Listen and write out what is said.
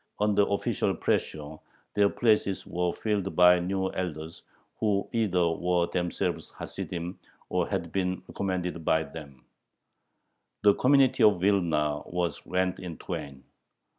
Under official pressure their places were filled by new elders, who either were themselves Hasidim or had been recommended by them. The community of Vilna was rent in twain.